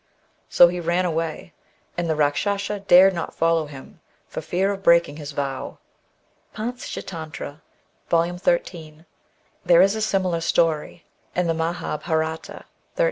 " so he ran away, and the Eakschasa dared not follow him for fear of breaking his vow. {Pantschatantra, v. 13.) There is a similar story in the Mahdbhdrata, xiii.